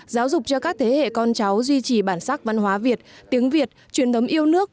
giáo dục cho các thế hệ con cháu duy trì bản sắc văn hóa việt tiếng việt truyền thống yêu nước